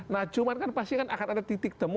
nah cuman kan pasti akan ada titik temu